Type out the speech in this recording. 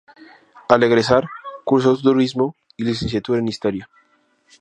Al egresar cursó Turismo y Licenciatura en Historia.